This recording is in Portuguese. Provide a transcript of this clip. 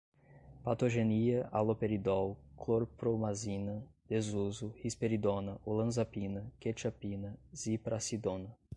patogenia, haloperidol, clorpromazina, desuso, risperidona, olanzapina, quetiapina, ziprasidona